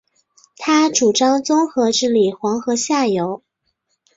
他主张综合治理黄河下游。